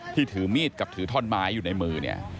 ถือมีดกับถือท่อนไม้อยู่ในมือเนี่ย